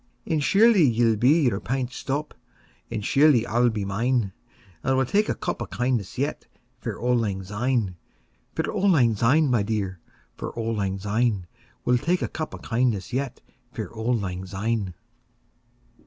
And surely ye'll be your pint stowp, And surely I'll be mine; And we'll tak a cup o' kindness yet For auld lang syne! 20 For auld lang syne, my dear, For auld lang syne, We'll tak a cup o' kindness yet For auld lang syne.